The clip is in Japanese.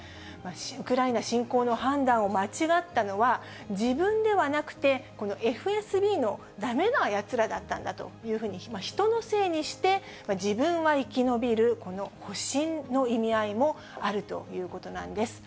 ウクライナ侵攻の判断を間違ったのは、自分ではなくて、このＦＳＢのだめな奴らだったんだというふうに、人のせいにして、自分は生き延びる、この保身の意味合いもあるということなんです。